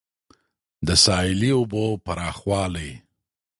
د ساحلي اوبو پراخوالی